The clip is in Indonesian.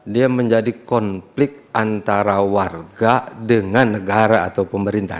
dia menjadi konflik antara warga dengan negara atau pemerintah